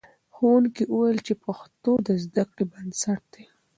ښوونکي وویل چې پښتو د زده کړې بنسټ دی.